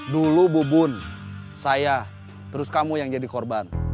dulu bu bun saya terus kamu yang jadi korban